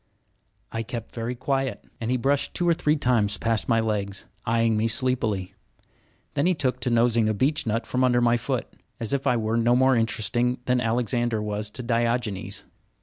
I kept very quiet, and he brushed two or three times past my legs, eyeing me sleepily. Then he took to nosing a beechnut from under my foot, as if I were no more interesting than Alexander was to Diogenes.